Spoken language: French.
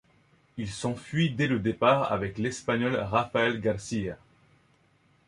Il s'enfuit dès le départ avec l'Espagnol Rafael García.